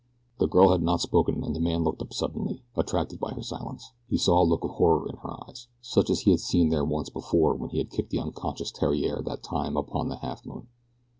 The girl had not spoken and the man looked up suddenly, attracted by her silence. He saw a look of horror in her eyes, such as he had seen there once before when he had kicked the unconscious Theriere that time upon the Halfmoon.